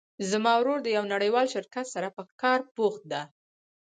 زما ورور د یو نړیوال شرکت سره په کار بوخت ده